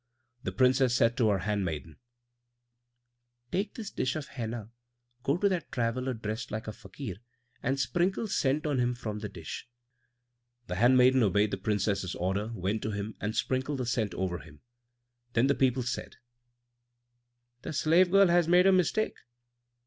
The Princess said to her handmaiden, "Take this dish of henna, go to that traveller dressed like a Fakir, and sprinkle scent on him from the dish." The handmaiden obeyed the Princess's order, went to him, and sprinkled the scent over him. Then the people said, "The slave girl has made a mistake."